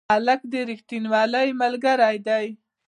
هلک رښتینی ملګری دی.